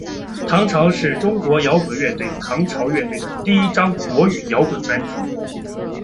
唐朝是中国摇滚乐队唐朝乐队的第一张国语摇滚专辑。